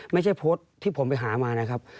ไม่ใช่โพสต์ที่ผมไปหามานะครับ